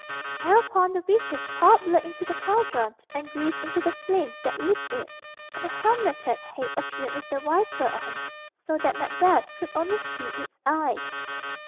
Thereupon the witches poured blood into the cauldron and grease into the flame that licked it, and a helmeted head appeared with the visor on, so that Macbeth could only see its eyes.